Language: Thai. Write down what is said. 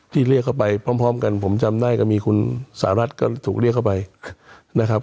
เรียกเข้าไปพร้อมกันผมจำได้ก็มีคุณสหรัฐก็ถูกเรียกเข้าไปนะครับ